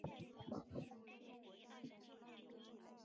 宽尾角水蚤为角水蚤科角水蚤属下的一个种。